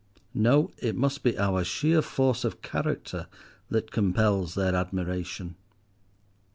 No, it must be our sheer force of character that compels their admiration.